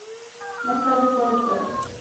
Más tarde fue adoptada.